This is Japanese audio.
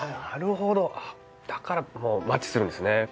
なるほどだからマッチするんですね。